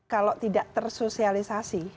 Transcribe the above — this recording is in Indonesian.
kalau tidak tersosialisasi